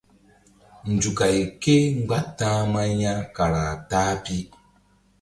Nzukay kémgba ta̧hma ya kara ta-a pi.